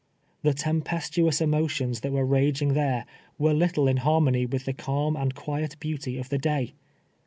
The tempestuous emotions that were raging there were little in harmony with the calm and quiet beauty of the day.